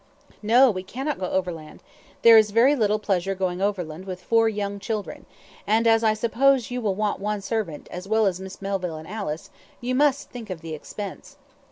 "No; we cannot go overland; there is very little pleasure going overland with four young children, and as I suppose you will want one servant, as well as Miss Melville and Alice, you must think of the expense."